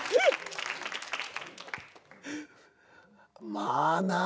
まあな。